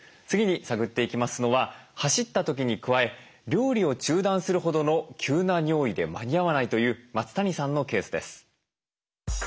次に探っていきますのは走った時に加え料理を中断するほどの急な尿意で間に合わないという松谷さんのケースです。